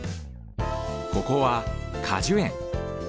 ここは果樹園。